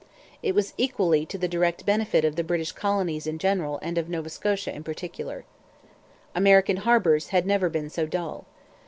It was equally to the direct benefit of the British colonies in general and of Nova Scotia in particular. American harbours had never been so dull.